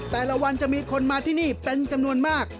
แต่ละวันจะมีคนมาที่นี่เป็นจำนวนมาก